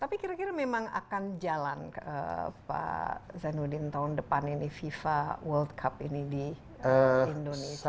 tapi kira kira memang akan jalan pak zainuddin tahun depan ini fifa world cup ini di indonesia